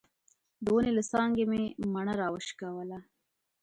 د ونې له څانګې مې مڼه راوشکوله.